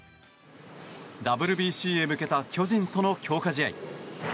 ＷＢＣへ向けた巨人との強化試合。